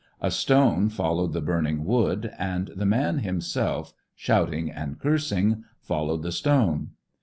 A stone followed the burning wood, and the man himself, shouting and cursing, followed the stone.